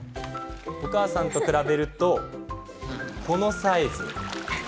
お母さんと比べると、このサイズ。